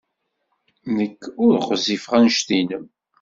Nekk ur ɣezzifeɣ anect-nnem.